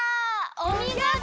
おみごと！